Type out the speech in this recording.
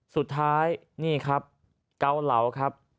สุดท้ายนี่ครับเกาเหลาครับ